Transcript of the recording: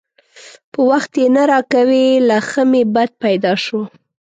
په وخت یې نه راکوي؛ له ښه مې بد پیدا شو.